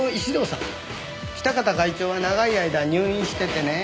喜多方会長は長い間入院しててねぇ。